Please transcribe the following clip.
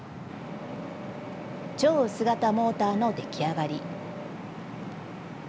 超薄型モーターの出来上がり。